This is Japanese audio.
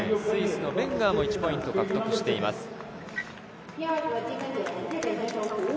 スイスのベンガーも１ポイント獲得しています。